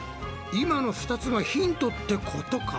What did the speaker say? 今の２つがヒントってことか？